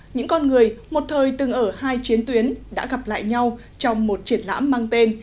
những con người một thời từng ở hai chiến tuyến đã gặp lại nhau trong một triển lãm mang tên